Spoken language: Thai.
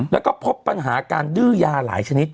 แล้วก็พบปัญหาการดื้อยาหลายชนิด